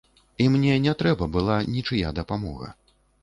І мне не трэба была нічыя дапамога.